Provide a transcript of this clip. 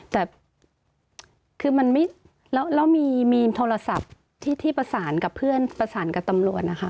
แต่คือมันไม่แล้วมีโทรศัพท์ที่ประสานกับเพื่อนประสานกับตำรวจนะคะ